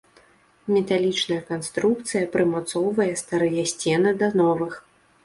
Металічная канструкцыя прымацоўвае старыя сцены да новых.